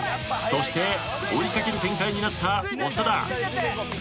そして追い掛ける展開になった長田。